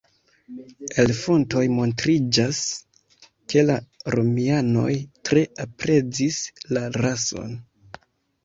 El fontoj montriĝas ke la Romianoj tre aprezis la rason.